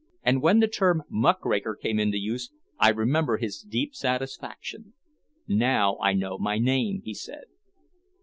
And when the term "muckraker" came into use, I remember his deep satisfaction. "Now I know my name," he said.